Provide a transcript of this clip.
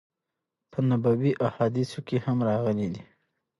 په نبوی حادثو کی هم راغلی دی